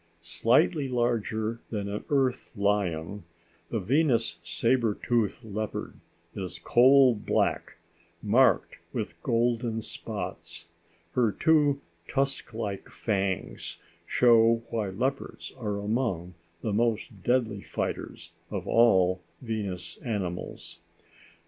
Slightly larger than an Earth lion, the Venus sabre tooth leopard is coal black, marked with golden spots. Her two tusk like fangs show why leopards are among the most deadly fighters of all the Venus animals.